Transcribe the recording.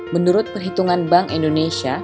menurut perhitungan bank indonesia